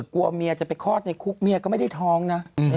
กลัวเมียจะไปคลอดในคุกเมียก็ไม่ได้ท้องนะ